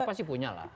pasti punya lah